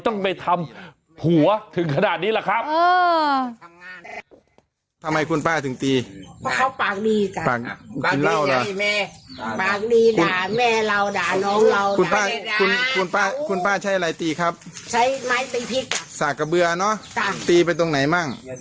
คุณป้าใช้อะไรตีครับใช้ไม้ตีพริกสากกระเบือเนาะตีไปตรงไหนมั่ง